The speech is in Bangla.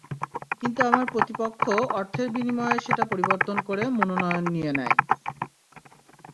কিন্তু আমার প্রতিপক্ষ অর্থের বিনিময়ে সেটা পরিবর্তন করে মনোনয়ন নিয়ে নেয়।